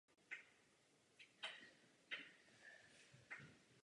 Podporuje opatrný přístup, který uplatníme i v Arktidě.